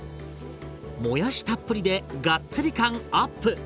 もやしたっぷりでがっつり感アップ！